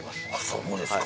そうですか！